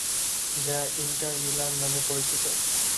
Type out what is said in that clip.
যা Inter Milan নামে পরিচিত।